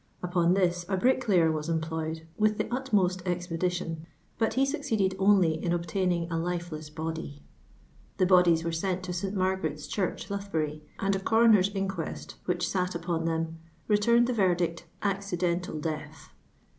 Upon this a bricklayer was employed with the utmost expe dition, but he succeeded only in obtaining a life less body. The bodies were sent to St. Margaret's Church, Lothbury, and a coroner's inquest, which sat upou them, returned the verdict — Accidental Death."